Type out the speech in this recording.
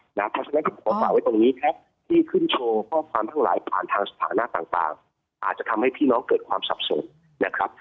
เพราะฉะนั้นผมขอฝากไว้ตรงนี้แท็กที่ขึ้นโชว์ข้อความทั้งหลายผ่านทางสถานะต่างอาจจะทำให้พี่น้องเกิดความสับสนนะครับ